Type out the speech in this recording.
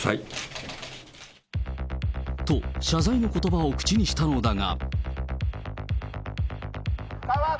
と、謝罪のことばを口にしたのだが。